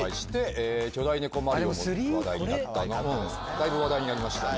だいぶ話題になりましたよね。